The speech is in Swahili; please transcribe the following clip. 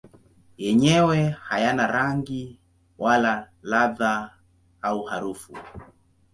Yenyewe hayana rangi wala ladha au harufu.